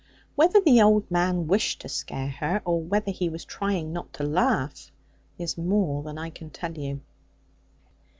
Whether the old man wished to scare her, or whether he was trying not to laugh, is more than I can tell you.